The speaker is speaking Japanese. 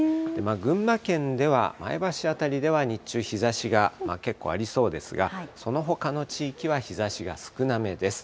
群馬県では、前橋市辺りでは日中、日ざしが結構ありそうですが、そのほかの地域は日ざしが少なめです。